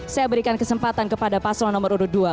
saya berikan kesempatan kepada paslon nomor urut dua